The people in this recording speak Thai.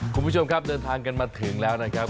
คุณผู้ชมครับเดินทางกันมาถึงแล้วนะครับ